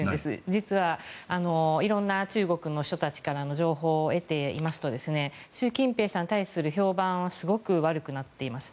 実は、いろんな中国の人たちからの情報を得ていますと習近平さんに対する評判はすごく悪くなっています。